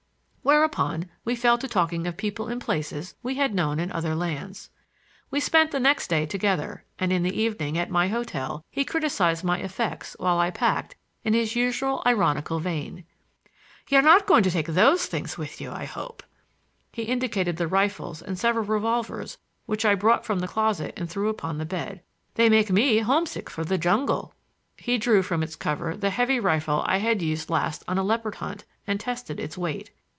Whereupon we fell to talking of people and places we had known in other lands. We spent the next day together, and in the evening, at my hotel, he criticized my effects while I packed, in his usual ironical vein. "You're not going to take those things with you, I hope!" He indicated the rifles and several revolvers which I brought from the closet and threw upon the bed. "They make me homesick for the jungle." He drew from its cover the heavy rifle I had used last on a leopard hunt and tested its weight.